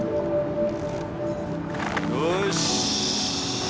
よし！